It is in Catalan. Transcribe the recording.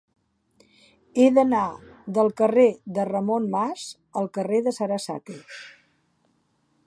He d'anar del carrer de Ramon Mas al carrer de Sarasate.